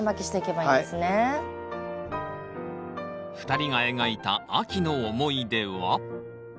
２人が描いた秋の思い出は？